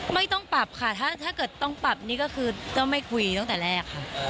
ไม่ต้องปรับค่ะถ้าเกิดต้องปรับนี่ก็คือเจ้าไม่คุยตั้งแต่แรกค่ะ